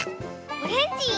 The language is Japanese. オレンジ。